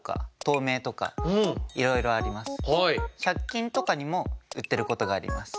１００均とかにも売ってることがあります。